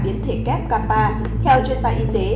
biến thể kép kappa theo chuyên gia y tế